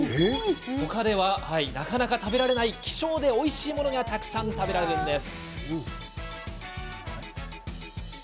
他ではなかなか食べられない希少でおいしいものがたくさん食べられるんです。